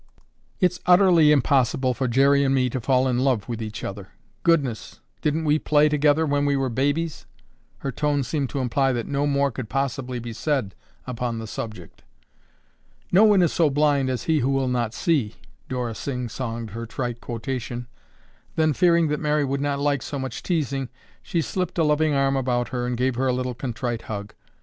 "It's utterly impossible for Jerry and me to fall in love with each other. Goodness, didn't we play together when we were babies?" Her tone seemed to imply that no more could possibly be said upon the subject. "No one is so blind as he who will not see," Dora sing songed her trite quotation, then, fearing that Mary would not like so much teasing, she slipped a loving arm about her and gave her a little contrite hug.